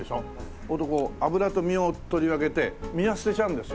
そうするとこう脂と身を取り分けて身は捨てちゃうんですよ。